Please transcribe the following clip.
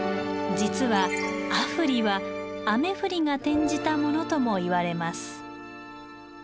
実は「阿夫利」は「雨降り」が転じたものともいわれます。